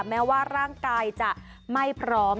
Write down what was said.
แม้ว่าร่างกายจะไม่พร้อม